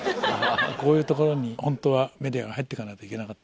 こういうところにホントはメディアが入っていかないといけなかった。